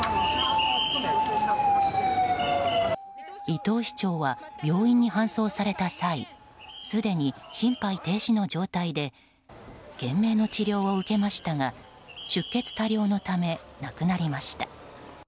伊藤市長は病院に搬送された際すでに心肺停止の状態で懸命の治療を受けましたが出血多量のため亡くなりました。